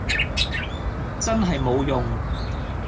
真係冇用